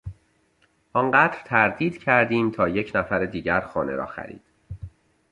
آنقدر تردید کردیم تا یک نفر دیگر خانه را خرید.